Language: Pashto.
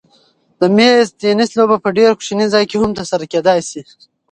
د مېز تېنس لوبه په ډېر کوچني ځای کې هم ترسره کېدای شي.